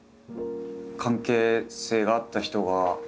関係性があった人がいたのか。